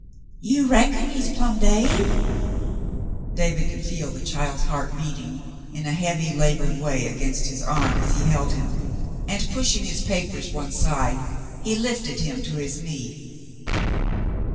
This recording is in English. "You reckon he's plumb dade ?" David could feel the child's heart beating in a heavy labored way against his arm as he held him, and, pushing his papers one side, he lifted him to his knee.